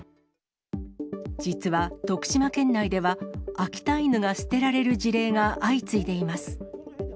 実は徳島県内では、秋田犬が捨てられる事例が相次いでいます。